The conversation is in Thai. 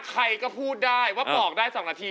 ใครก็พูดได้ว่าปอกได้๒นาที